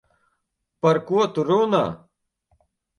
Par ko tu runā?